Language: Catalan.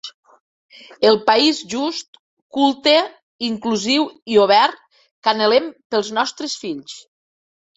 El país just, culte, inclusiu i obert que anhelem pels nostres fills.